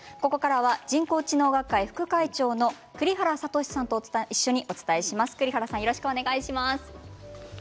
人工知能学会副会長の栗原聡さんと一緒にお伝えします。